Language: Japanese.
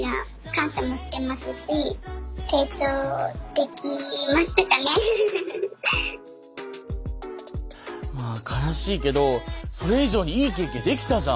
でも悲しいけどそれ以上にいい経験できたじゃん。